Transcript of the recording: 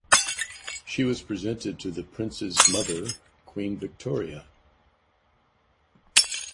She was presented to the Prince's mother, Queen Victoria.